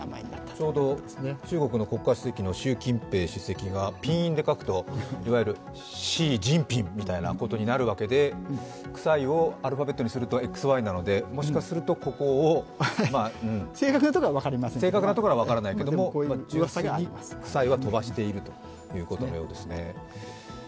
ちょうど中国の国家主席が習近平主席がいわゆるシー・ジンピンみたいなことになるわけでクサイをアルファベットにするとＸＩなのでもしかすると、ここを正確なところは分からないけれどもクサイは飛ばしているということのようです。